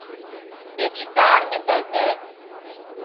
میری داڑھ میں درد ہے